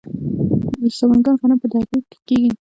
د سمنګان غنم په درو کې کیږي.